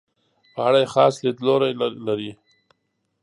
په اړه یې خاص لیدلوری لري.